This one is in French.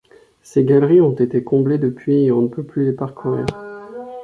Ces galeries ont été comblées depuis et on ne peut plus les parcourir.